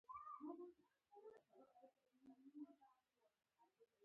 که مات شو او وتښتیدی نوم به یې هیر شو.